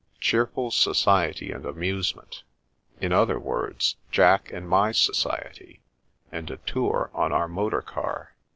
"Cheerful society and amusement. In other words. Jack's and my society, and a tour on our motor car."